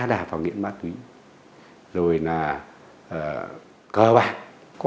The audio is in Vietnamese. chúng ta đối chương